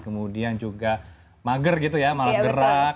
kemudian juga mager gitu ya malas gerak